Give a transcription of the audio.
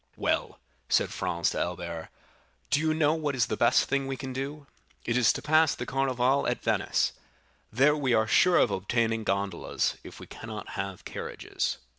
"Well," said Franz to Albert, "do you know what is the best thing we can do? It is to pass the Carnival at Venice; there we are sure of obtaining gondolas if we cannot have carriages."